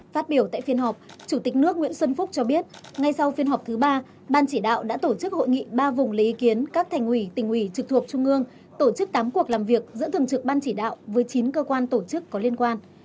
phát biểu tại phiên họp chủ tịch nước nguyễn xuân phúc cho biết ngay sau phiên họp thứ ba ban chỉ đạo đã tổ chức hội nghị ba vùng lấy ý kiến các thành ủy tỉnh ủy trực thuộc trung ương tổ chức tám cuộc làm việc giữa thường trực ban chỉ đạo với chín cơ quan tổ chức có liên quan